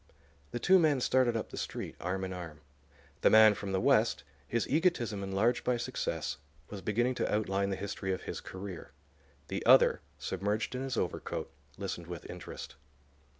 The two men started up the street, arm in arm. The man from the West, his egotism enlarged by success, was beginning to outline the history of his career. The other, submerged in his overcoat, listened with interest.